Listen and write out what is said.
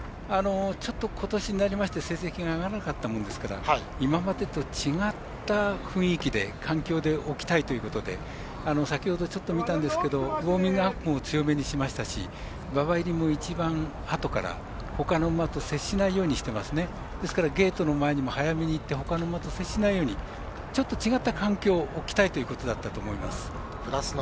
ちょっと今年になりまして成績が上がらなかったもんですから今までと違った雰囲気で環境で置きたいということで先ほどちょっと見たんですけどウォーミングアップも強めにしましたし馬場入りも一番あとからほかの馬と接しないようにしてますね、ですからゲートの前にも早めにいってほかの馬と接しないようにちょっと違った環境に置きたいというところだったと思います。